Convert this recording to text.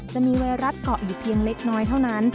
ไวรัสเกาะอยู่เพียงเล็กน้อยเท่านั้น